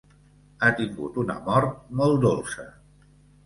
Ha tingut una mort molt dolça.